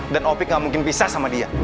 dan opik gak mungkin bisa sama dia